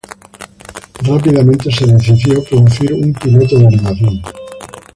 Rápidamente se decidió producir un piloto de animación.